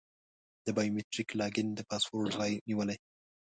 د بایو میتریک لاګین د پاسورډ ځای نیولی.